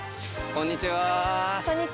こんにちは。